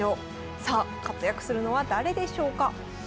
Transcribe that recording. さあ活躍するのは誰でしょうか？